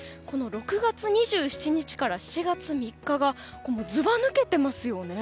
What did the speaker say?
６月２７日から７月３日がずば抜けてますよね。